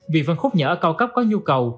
vì phần khúc nhở cao cấp có nhu cầu